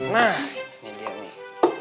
nah ini dia nih